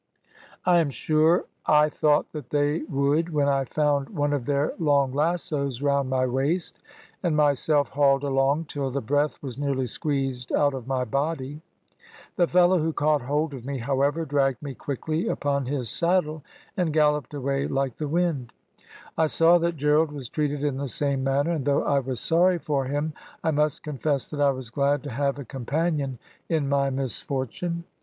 "I am sure I thought that they would when I found one of their long lassos round my waist, and myself hauled along till the breath was nearly squeezed out of my body. The fellow who caught hold of me, however, dragged me quickly upon his saddle, and galloped away like the wind. I saw that Gerald was treated in the same manner, and though I was sorry for him, I must confess that I was glad to have a companion in my misfortune.